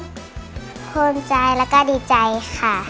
โธ่เข้มใจและก็ดีใจค่ะ